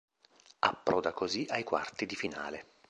Approda così ai quarti di finale.